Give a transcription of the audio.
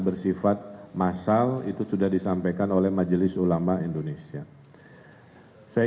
bersifat massal itu sudah disampaikan oleh majelis ulama indonesia saya